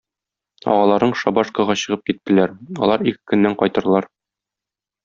Агаларың шабашкага чыгып киттеләр, алар ике көннән кайтырлар.